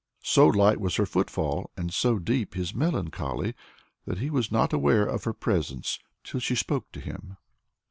So light was her footfall, and so deep his melancholy, that he was not aware of her presence till she spoke to him.